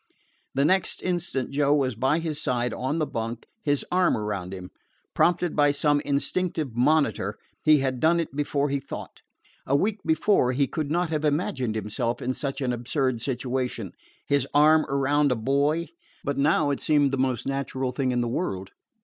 The next instant Joe was by his side on the bunk, his arm around him. Prompted by some instinctive monitor, he had done it before he thought. A week before he could not have imagined himself in such an absurd situation his arm around a boy; but now it seemed the most natural thing in the world.